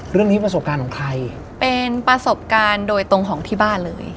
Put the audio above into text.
เรื่องนี้ประสบการณ์ของใคร